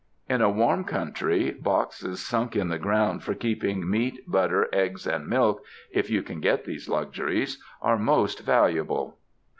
In a warm country, boxes sunk in the ground for keeping meat, butter, eggs and milk (if you can get these luxuries), are most valuable.